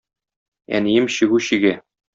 Әнием чигү чигә.